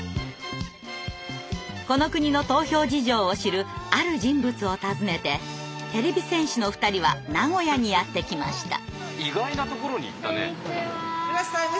この国の投票事情を知るある人物を訪ねててれび戦士の２人は名古屋にやって来ました。